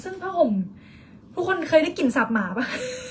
ซึ่งผ้าห่มทุกคนเคยได้กลิ่นสาบหมาป่ะ